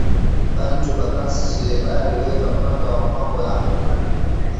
Bantu ba cadastre bari weka mpaka wa mpango yangu